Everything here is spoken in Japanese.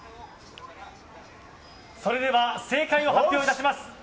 それでは正解を発表致します。